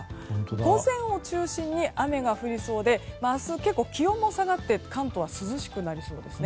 午前を中心に雨が降りそうで明日、結構、気温も下がって関東は涼しくなりそうですね。